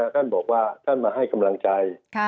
ท่านบอกว่าท่านมาให้กำลังใจ